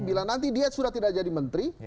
bila nanti dia sudah tidak jadi menteri